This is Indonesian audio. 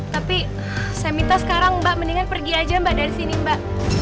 tapi saya minta sekarang mbak mendingan pergi aja mbak dari sini mbak